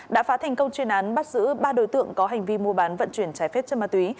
đã phá thành công chuyên án bắt giữ ba đối tượng có hành vi mua bán vận chuyển trái phép chân ma túy